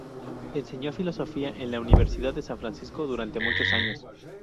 Enseñó filosofía en la Universidad de San Francisco durante muchos años.